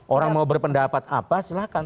orang mau berpendapat apa silahkan